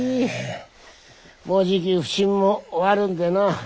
もうじき普請も終わるんでな。